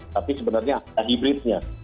tapi sebenarnya ada hibridsnya